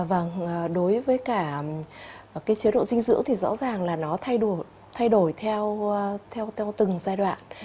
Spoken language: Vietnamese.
vâng đối với cả cái chế độ dinh dưỡng thì rõ ràng là nó thay đổi theo từng giai đoạn